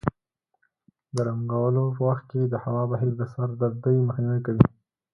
د رنګولو په وخت کې د هوا بهیر د سر دردۍ مخنیوی کوي.